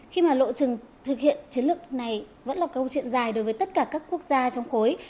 khi mà lộ trình thực hiện chiến lược này vẫn là câu chuyện dài đối với tất cả các quốc gia trong khối